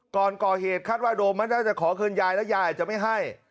ก่อนก่อเหตุคาดว่าโดมมันน่าจะขอคืนยายแล้วยายอาจจะไม่ให้